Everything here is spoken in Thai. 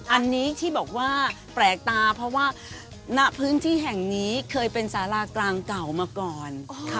อันนี้ที่บอกว่าแปลกตาเพราะว่าณพื้นที่แห่งนี้เคยเป็นสารากลางเก่ามาก่อน